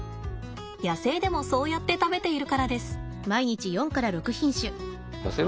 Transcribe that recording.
野生でもそうやって食べているからです。